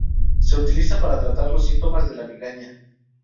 Se utiliza para tratar los síntomas de la migraña.